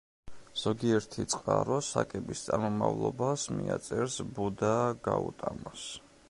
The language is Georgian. ზოგიერთი წყარო საკების წარმომავლობას მიაწერს ბუდა გაუტამას.